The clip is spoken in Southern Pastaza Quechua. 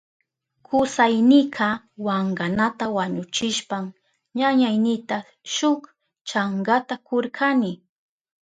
Kusaynika wankanata wañuchishpan ñañaynita shuk chankata kurkani.